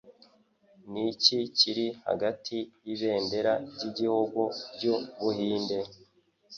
Niki kiri hagati yibendera ryigihugu ryu Buhinde?